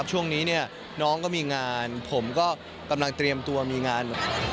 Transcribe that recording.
ช่วงนี้เนี่ยน้องก็มีงานผมก็กำลังเตรียมตัวมีงานแบบ